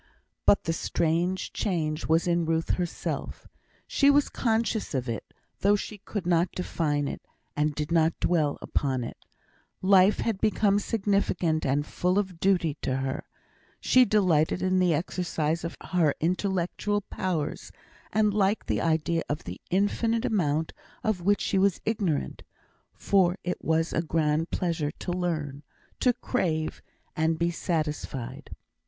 But the strange change was in Ruth herself. She was conscious of it though she could not define it, and did not dwell upon it. Life had become significant and full of duty to her. She delighted in the exercise of her intellectual powers, and liked the idea of the infinite amount of which she was ignorant; for it was a grand pleasure to learn to crave, and be satisfied.